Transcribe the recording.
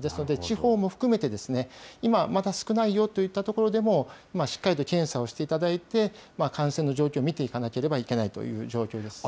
ですので地方も含めて、今、まだ少ないよといった所でも、しっかりと検査をしていただいて、感染の状況を見ていかなければいけないという状況です。